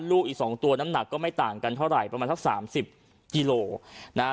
ลูกอีกสองตัวน้ำหนักก็ไม่ต่างกันเท่าไหร่ประมาณสักสามสิบกิโลนะฮะ